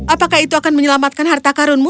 apakah itu akan menyelamatkan harta karunmu